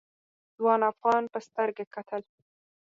ځوان افغان په سترګه کتل.